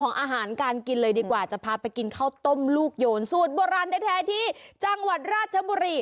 อาหารการกินเลยดีกว่าจะพาไปกินข้าวต้มลูกโยนสูตรโบราณแท้ที่จังหวัดราชบุรี